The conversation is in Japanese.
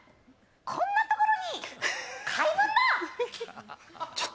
こんなところに回文だ！